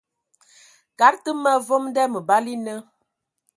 Kad tə ma vom nda məbala e nə.